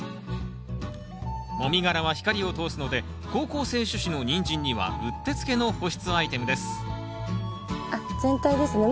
もみ殻は光を通すので好光性種子のニンジンにはうってつけの保湿アイテムですあっ全体ですね。